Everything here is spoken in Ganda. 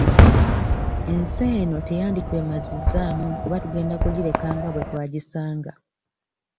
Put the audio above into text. Ensi eno teyanditwemazizaamu kuba tugenda kugireka nga bwe twagisanga.